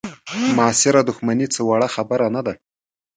معاصره دوښمني څه وړه خبره نه ده.